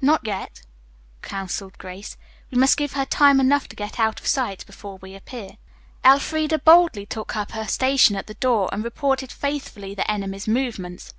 "Not yet," counseled Grace. "We must give her time enough to get out of sight before we appear." Elfreda boldly took up her station at the door and reported faithfully the enemy's movements.